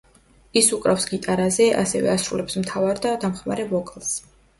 ის უკრავს გიტარაზე, ასევე ასრულებს მთავარ და დამხმარე ვოკალს.